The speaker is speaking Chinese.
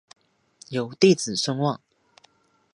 有弟子孙望。